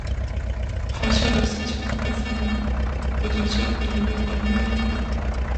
François d'Assise faisait des sermons aux oiseaux, et il aimait les animaux en général.